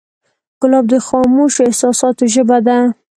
ګلاب د خاموشو احساساتو ژبه ده.